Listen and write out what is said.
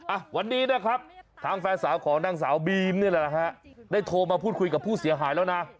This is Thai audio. อ่ะวันนี้นะครับทางแฟนได้โทรมาพูดคุยกับผู้เสียหายแล้วนะ